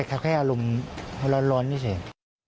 แต่แค่อารมณ์ร้อนนี่เฉย